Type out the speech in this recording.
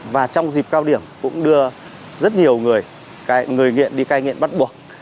và trong dịp cao điểm cũng đưa rất nhiều người người nghiện đi cai nghiện bắt buộc